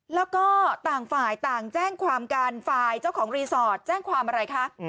แล้วก็ต่างฝ่ายต่างแจ้งความกันฝ่ายเจ้าของรีสอร์ทแจ้งความอะไรคะ